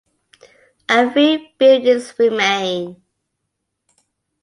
A few buildings remain.